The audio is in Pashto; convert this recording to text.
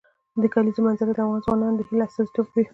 د کلیزو منظره د افغان ځوانانو د هیلو استازیتوب کوي.